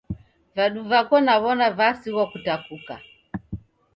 Vadu vako naw'ona vasighwa kutakuka